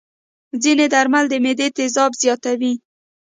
ځینې درمل د معدې تیزاب زیاتوي.